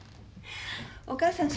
お母さん